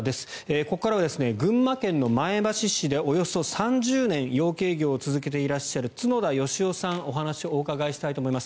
ここからは群馬県前橋市でおよそ３０年養鶏業を続けていらっしゃる角田良雄さんにお話をお伺いしたいと思います。